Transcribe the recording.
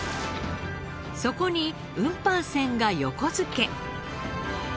そこに運搬船が横付け。